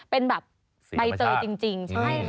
เป็นแบบใบเตยจริง